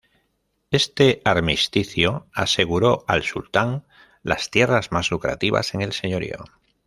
Este armisticio aseguro al sultán las tierras más lucrativas en el señorío.